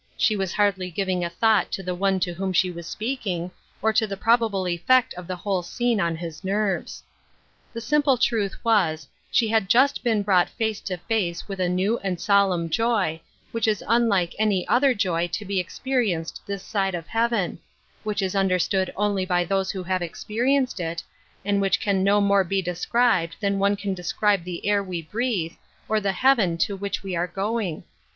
She was hardly giving a thought to the one to whom she was speak ing, or to the probable effect of the entire scene on his nerves. The simple truth was, she had just been brought face to face with a new and solemn joy, which is unlike any other joy to be experi enced this side of heaven ; which is understood only by those who have experienced it, and which can no more be described than one can describe the air we breathe, or the heaven to which we are going.